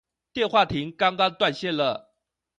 電話亭剛剛斷線了